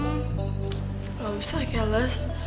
gak usah keles